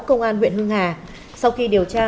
công an huyện hưng hà sau khi điều tra